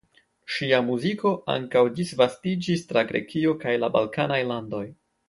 Ŝia muziko ankaŭ disvastiĝis tra Grekio kaj la balkanaj landoj.